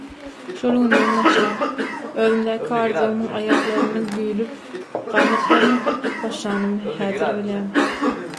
Şol günden başlap, özümdäki arzuwymyň aýaklaryny güýlüp, ganatlaryny gyrkyp başlanymy häzir bilýän.